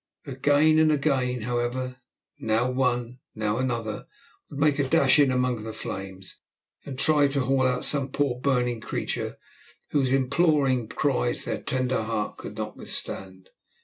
Again and again, however, now one, now another, would make a dash in among the flames, and try to haul out some poor burning creature whose imploring cries their tender heart could not withstand.